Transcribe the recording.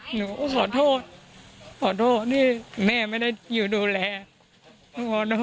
หนูก็ขอโทษขอโทษที่แม่ไม่ได้อยู่ดูแล